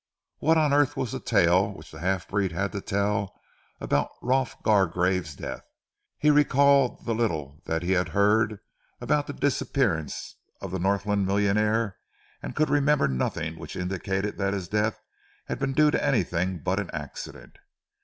What on earth was the tale which the half breed had to tell about Rolf Gargrave's death? He recalled the little that he had heard about the disappearance of the Northland millionaire and could remember nothing which indicated that his death had been due to anything but an accident.